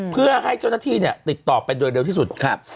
เพื่อให้เจ้าหน้าที่ติดต่อไปโดยเร็วที่สุด